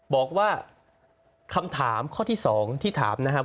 บอกว่าคำถามข้อที่๒ที่ถามนะครับ